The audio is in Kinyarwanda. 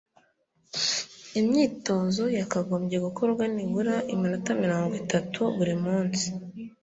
Imyitozo yakagombye gukorwa nibura iminota mirongwitatu buri munsi